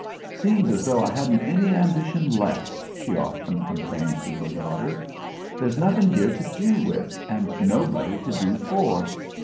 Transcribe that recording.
"Seems as though I hadn't any ambition left," she often complained to her daughter. "There's nothin' here to do with, and nobody to do for.